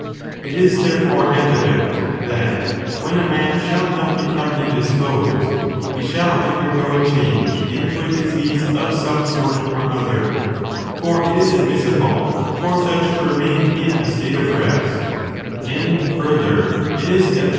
It is, therefore, evident that when a man shall have become indisposed he shall undergo a change into a disease of some sort or other ; for it is admissible for such to remain in a state of rest : and, frirther, it is evident 1 Vide Cat^ories, ohap.